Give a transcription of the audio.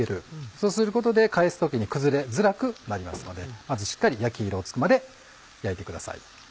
そうすることで返す時に崩れづらくなりますのでまずしっかり焼き色をつくまで焼いてください。